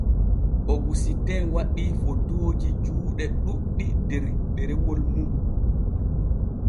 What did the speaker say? Ogusitin waɗii fotooji juuɗe ɗuuɗɗi der ɗerewol mum.